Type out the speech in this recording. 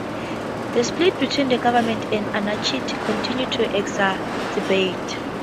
The split between the government and anarchists continued to exacerbate.